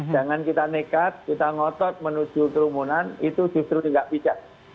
jangan kita nekat kita ngotot menuju kerumunan itu justru tidak bijak